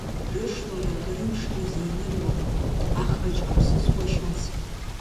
Рышлара, рымшра зиныруам, ахраҿ аԥсы зку ашьац.